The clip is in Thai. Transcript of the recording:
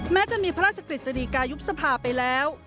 แม้จะมีพระราชกฤษฎีกายุบสภาไปแล้ว